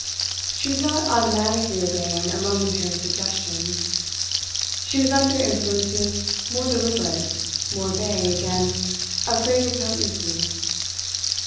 She was not automatically obeying a momentary suggestion, she was under influences more deliberate, more vague, and of greater potency.